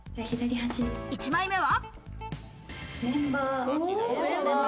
１枚目は。